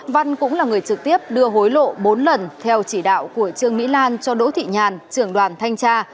văn cũng là người trực tiếp đưa hối lộ bốn lần theo chỉ đạo của trương mỹ lan cho đỗ thị nhàn trưởng đoàn thanh tra